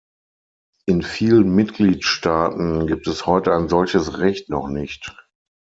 In vielen Mitgliedstaaten gibt es heute ein solches Recht noch nicht.